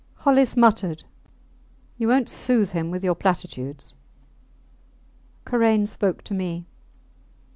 Hollis muttered You wont soothe him with your platitudes. Karain spoke to me.